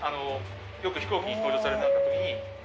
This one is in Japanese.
よく飛行機に搭乗されるような時に。